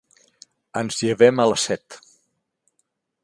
Ens llevem a les set.